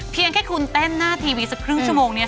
เพียงแค่คุณเต้นหน้าทีวีสักครึ่งชั่วโมงเนี่ย